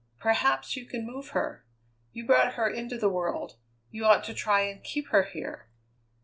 Perhaps you can move her. You brought her into the world; you ought to try and keep her here."